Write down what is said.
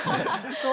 そう？